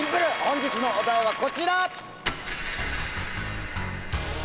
本日のお題はこちら。